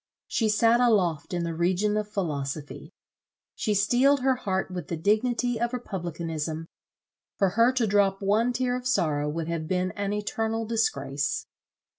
She sat aloft in the region of philosophy. She steeled her heart with the dignity of republicanism; for her to drop one tear of sorrow would have been an eternal disgrace.